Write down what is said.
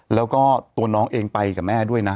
แล้วก็ตัวน้องเองไปกับแม่ด้วยนะ